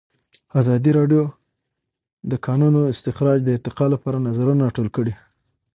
ازادي راډیو د د کانونو استخراج د ارتقا لپاره نظرونه راټول کړي.